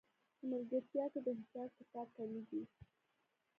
په ملګرتیا کې د حساب کتاب کمی دی